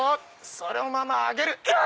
そのまま上げる！